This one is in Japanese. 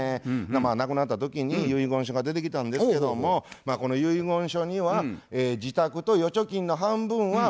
亡くなった時に遺言書が出てきたんですけどもこの遺言書には「自宅と預貯金の半分は塩タンへ相続」と。